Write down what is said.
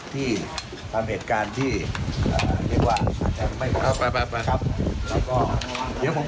ที่ความเหตุการณ์ที่เอ่อเรียกว่าเอาไปไปไปครับแล้วก็เดี๋ยวผม